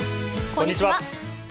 こんにちは。